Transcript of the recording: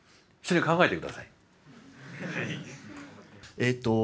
えっと